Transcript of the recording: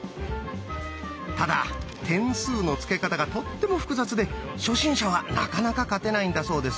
ただ点数の付け方がとっても複雑で初心者はなかなか勝てないんだそうです。